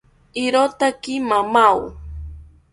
Irotaki mamao